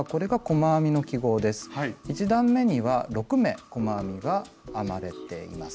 １段めには６目細編みが編まれています。